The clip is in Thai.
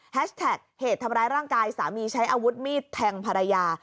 แท็กเหตุทำร้ายร่างกายสามีใช้อาวุธมีดแทงภรรยา